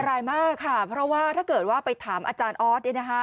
อันตรายมากค่ะเพราะว่าถ้าเกิดว่าไปถามอาจารย์ออส